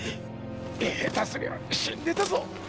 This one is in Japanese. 下手すりゃ死んでたぞ。